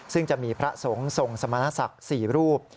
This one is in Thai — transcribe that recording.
ซึ่งจะมีพระสงฆ์ทรงสมณศักดิ์๔รูป